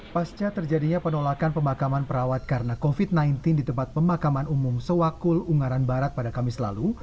pasca terjadinya penolakan pemakaman perawat karena covid sembilan belas di tempat pemakaman umum sewakul ungaran barat pada kamis lalu